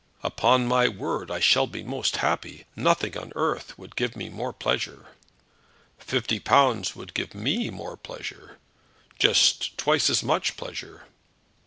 "Upon my word I shall be most happy. Nothing on earth would give me more pleasure." "Fifty pounds would give me more pleasure; just twice as much pleasure."